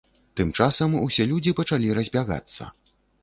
Тым часам усе людзі пачалі разбягацца.